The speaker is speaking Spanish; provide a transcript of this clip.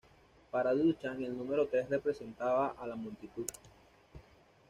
Para Duchamp el número tres representaba a la multitud.